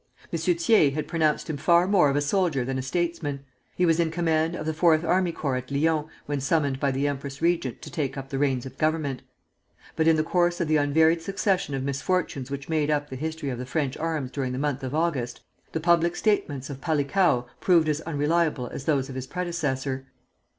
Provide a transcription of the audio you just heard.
M. Thiers had pronounced him far more of a soldier than a statesman. He was in command of the fourth army corps at Lyons when summoned by the empress regent to take up the reins of government; but in the course of the unvaried succession of misfortunes which made up the history of the French arms during the month of August, the public statements of Palikao proved as unreliable as those of his predecessor.